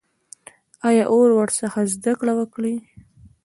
آیا او ورڅخه زده کړه وکړي؟